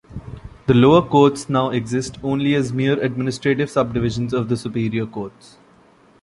The lower courts now exist only as mere administrative subdivisions of the superior courts.